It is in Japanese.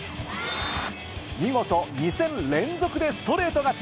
見事２戦連続でストレート勝ち。